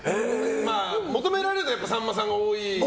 求められるのはさんまさんが多いし。